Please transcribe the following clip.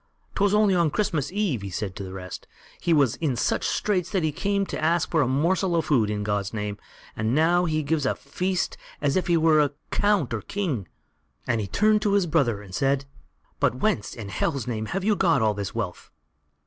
"Twas only on Christmas eve," he said to the rest, "he was in such straits that he came and asked for a morsel of food in God's name, and now he gives a feast as if he were count or king;" and he turned to his brother and said: "But whence, in Hell's name, have you got all this wealth?"